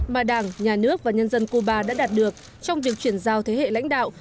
mà đảng nhà nước và nhân dân cuba đã đạt được trong việc chuyển giao thế hệ lãnh đạo